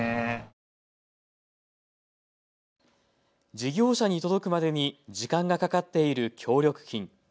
事業者に届くまでに時間がかかっている協力金。